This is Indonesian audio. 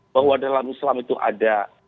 bahwa dalam islam itu ada